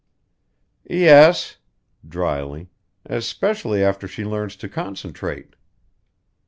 "Yes" dryly "especially after she learns to concentrate."